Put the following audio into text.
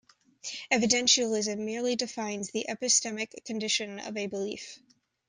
Evidentialism merely defines the epistemic condition of a belief.